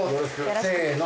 せの。